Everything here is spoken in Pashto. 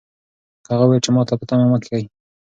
هغه وویل چې ماته په تمه مه کېږئ.